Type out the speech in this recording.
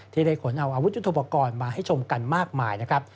ได้ขนอาวุธยุทธโปรกรณ์มาให้ชมกันมากมายนะครับ